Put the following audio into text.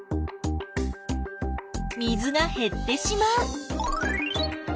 水がへってしまう。